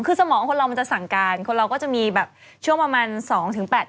คือสมองคนเรามันจะสั่งการคนเราก็จะมีแบบช่วงประมาณ๒๘ปี